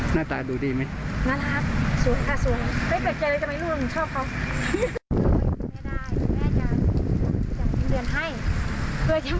หน้าตาดูดีมั้ยน่ารักสวยค่ะสวยไม่แปลกใจเลยจะไหมลูกหนูชอบเขา